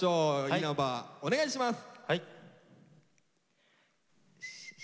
稲葉お願いします。